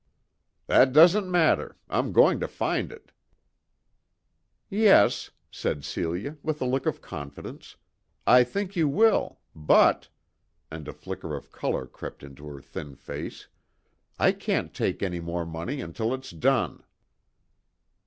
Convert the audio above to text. "That doesn't matter; I'm going to find it." "Yes," said Celia, with a look of confidence, "I think you will. But," and a flicker of colour crept into her thin face "I can't take any more money until it's done."